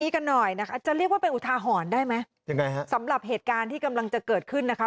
กันหน่อยนะคะจะเรียกว่าเป็นอุทาหรณ์ได้ไหมยังไงฮะสำหรับเหตุการณ์ที่กำลังจะเกิดขึ้นนะคะ